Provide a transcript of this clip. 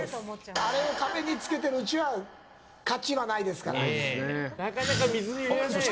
あれを壁につけているうちは勝ちはないですから。